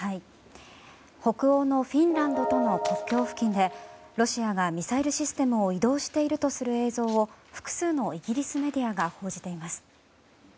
北欧のフィンランドとの国境付近でロシアがミサイルシステムを移動しているとする映像を複数のイギリスメディアが報じています。